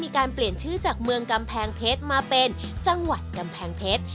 มีการเปลี่ยนชื่อจากเมืองกำแพงเพชรมาเป็นจังหวัดกำแพงเพชร